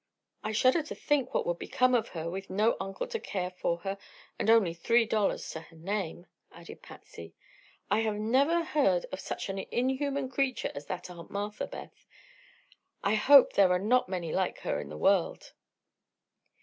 "I shudder to think what would become of her, with no uncle to care for her and only three dollars to her name," added Patsy. "I have never heard of such an inhuman creature as that Aunt Martha, Beth. I hope there are not many like her in the world."